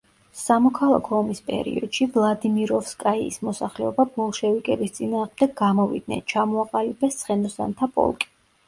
სამოქალაქო ომის პერიოდში ვლადიმიროვსკაიის მოსახლეობა ბოლშევიკების წინააღმდეგ გამოვიდნენ, ჩამოაყალიბეს ცხენოსანთა პოლკი.